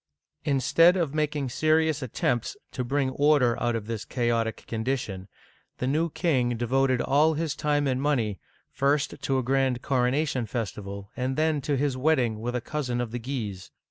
Instead of making serious attempts to bring order out of this chaotic condition, the new king devoted all his time and money, first to a grand coronation festival, and then to his wedding with a cousin of the Guises.